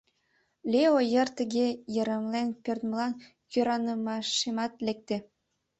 Лео йыр тыге йырымлен пӧрдмылан кӧранымашемат лекте.